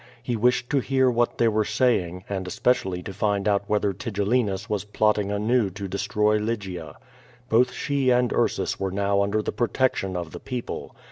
He wished to hear what they were saying, and especially to find out whether Tigellinus was plotting anew to destroy Lygia. Both she and Ursus were now under the protection of the people.